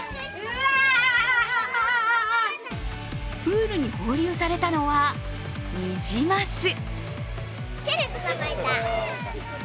プールに放流されたのはニジマス。